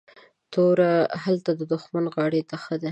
توره هلته ددښمن غاړي ته ښه ده